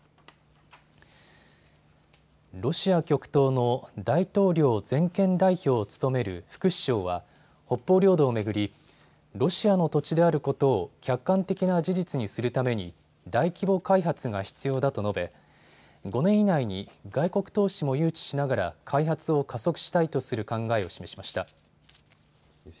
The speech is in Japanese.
ロシア極東の大統領全権代表を務める副首相は北方領土を巡り、ロシアの土地であることを客観的な事実にするために大規模開発が必要だと述べ５年以内に外国投資も誘致しながら開発を加速したいとする考えを示しました。